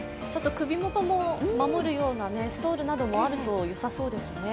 首元を守るようなストールなどもあるとよさそうですね。